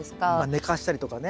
寝かしたりとかね。